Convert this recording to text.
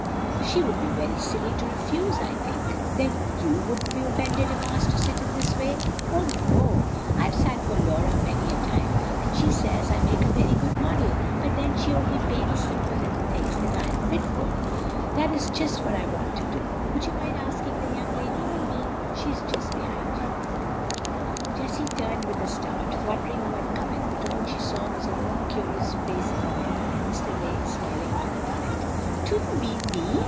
She would be very silly to refuse, I think." "Then YOU wouldn't be offended if asked to sit in this way?" "Oh, no. I've sat for Laura many a time, and she says I make a very good model. But then, she only paints simple little things that I am fit for." "That is just what I want to do. Would you mind asking the young lady for me? She is just behind you." Jessie turned with a start, wondering who had come in; but all she saw was her own curious face in the mirror, and Mr. Vane's smiling one above it. "Do you mean me?"